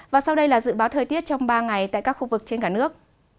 và sau đây là dự báo thời tiết trong ba ngày tại các khu vực trên cả nước